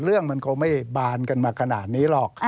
เรื่องมันคงไม่บานกันมาขนาดนี้หรอก